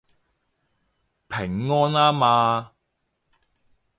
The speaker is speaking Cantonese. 平安吖嘛